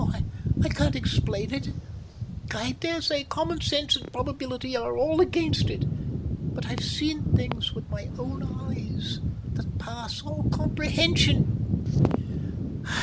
Oh, I can't explain it; I daresay common sense and probability are all against it, but I've seen things with my own eyes that pass all comprehension.